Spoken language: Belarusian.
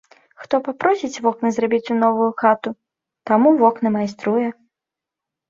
Хто папросіць вокны зрабіць у новую хату, таму вокны майструе.